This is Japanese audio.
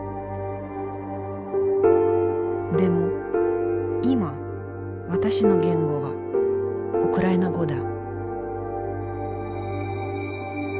でも今私の言語はウクライナ語だ。